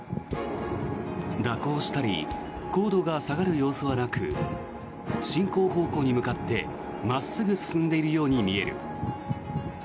蛇行したり高度が下がる様子はなく進行方向に向かって真っすぐ進んでいるように見える。